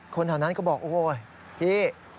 คนแถวนั้นก็บอกโอ๊ยพี่